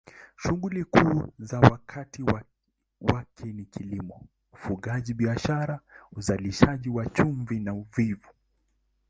Shughuli kuu za wakazi wake ni kilimo, ufugaji, biashara, uzalishaji wa chumvi na uvuvi.